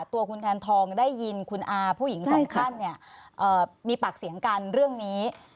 ตัวคุณแทนทองได้ยินคุณอาผู้หญิงสองท่านเนี่ยมีปากเสียงกันเรื่องนี้